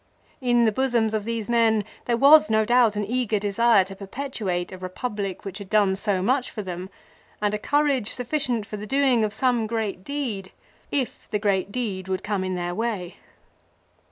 In the bosoms of these men there was no doubt an eager desire to perpetuate a Eepublic which had done so much for them, and a courage sufficient for the doing of some great deed, if the great deed would come in their way.